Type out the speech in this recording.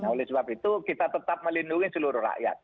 oleh sebab itu kita tetap melindungi seluruh rakyat